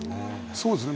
そうですね。